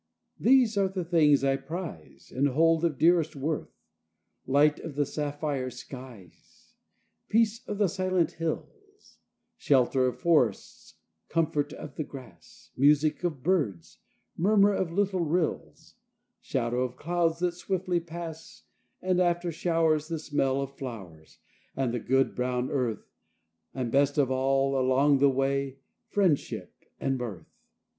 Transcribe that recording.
These are the things I prize And hold of dearest worth: Light of the sapphire skies, Peace of the silent hills, Shelter of forests, comfort of the grass, Music of birds, murmur of little rills, Shadow of clouds that swiftly pass, And, after showers, The smell of flowers And of the good brown earth, And best of all, along the way, friendship and mirth.